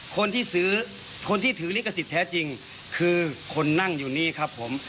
คนที่ซื้อคนที่ถือลิขสิทธิแท้จริงคือคนนั่งอยู่นี้ครับผม